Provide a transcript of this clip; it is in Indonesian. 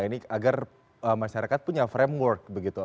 ini agar masyarakat punya framework begitu